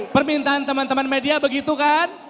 permintaan teman teman media begitu kan